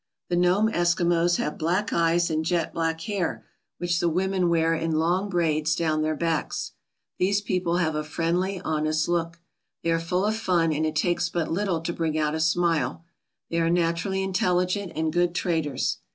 The Nome Eskimos have black eyes and jet black hair, which the women wear in long braids down their backs. These people have a friendly, honest look. They are full of fun and it takes but little to bring out a smile. They are naturally intelligent and good traders.